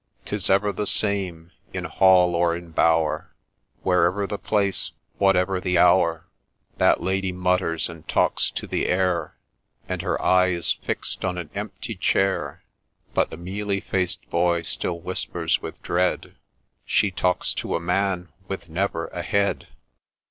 'Tis ever the same, — in hall or in bower, Wherever the place, whatever the hour, That Lady mutters, and talks to the air, And her eye is fix'd on an empty chair ; But the mealy faced boy still whispers with dread, ' She talks to a man with never a head